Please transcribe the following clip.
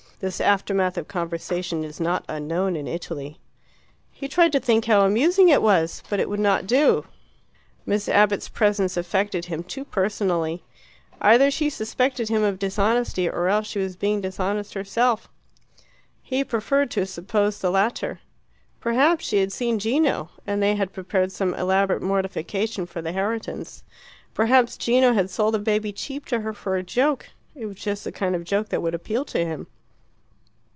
This aftermath of conversation is not unknown in Italy. He tried to think how amusing it was; but it would not do Miss Abbott's presence affected him too personally. Either she suspected him of dishonesty, or else she was being dishonest herself. He preferred to suppose the latter. Perhaps she had seen Gino, and they had prepared some elaborate mortification for the Herritons. Perhaps Gino had sold the baby cheap to her for a joke: it was just the kind of joke that would appeal to him.